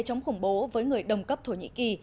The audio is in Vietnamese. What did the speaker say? chống khủng bố với người đồng cấp thổ nhĩ kỳ